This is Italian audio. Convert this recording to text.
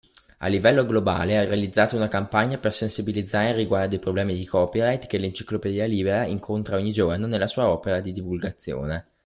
A livello globale ha realizzato una campagna per sensibilizzare riguardo i problemi di copyright che l’Enciclopedia Libera incontra ogni giorno nella sua opera di divulgazione.